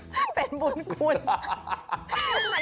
โอ้โหเป็นบุญคุณ